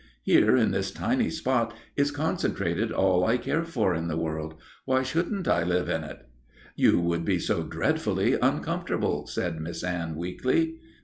Here in this tiny spot is concentrated all I care for in the world. Why shouldn't I live in it?" "You would be so dreadfully uncomfortable," said Miss Anne, weakly.